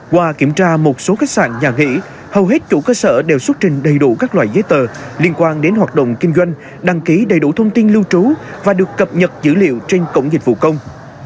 qua kiểm tra một số khách sạn nhà nghỉ hầu hết chủ cơ sở đều xuất trình đầy đủ các loại giấy tờ liên quan đến hoạt động kinh doanh đăng ký đầy đủ thông tin lưu trú và được cập nhật dữ liệu trên cổng dịch vụ công